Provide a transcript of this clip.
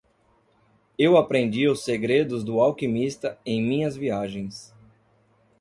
Eu aprendi os segredos do alquimista em minhas viagens.